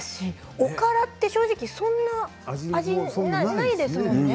おからって正直そんなに味がないですよね。